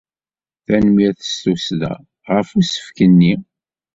Tanemmirt s tussda ɣef usefk-nni.